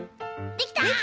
できた！